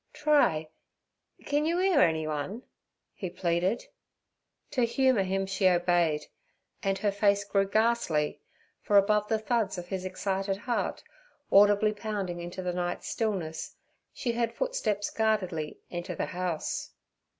'Try—can you 'ear anyone?' he pleaded. To humour him she obeyed, and her face grew ghastly, for above the thuds of his excited heart audibly pounding into the night's stillness, she heard footsteps guardedly enter the house.